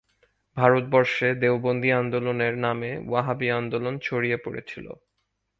ভারতবর্ষে দেওবন্দী আন্দোলনের নামে ওয়াহাবি আন্দোলন ছড়িয়ে পড়েছিল।